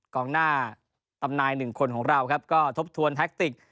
กองหน้าตำนายหนึ่งคนของเราครับก็ทบทวนแท็กติก